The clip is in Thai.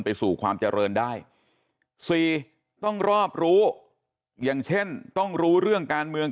สู่ความเจริญได้สี่ต้องรอบรู้อย่างเช่นต้องรู้เรื่องการเมือง